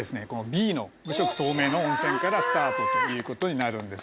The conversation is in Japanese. Ｂの無色透明の温泉からスタートということになるんですよね